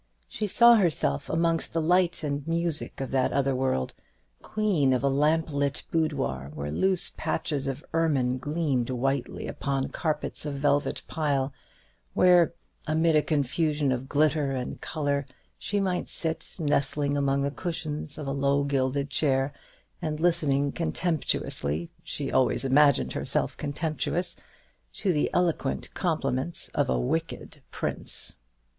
She saw herself amongst the light and music of that other world; queen of a lamplit boudoir, where loose patches of ermine gleamed whitely upon carpets of velvet pile; where, amid a confusion of glitter and colour, she might sit, nestling among the cushions of a low gilded chair, and listening contemptuously (she always imagined herself contemptuous) to the eloquent compliments of a wicked prince.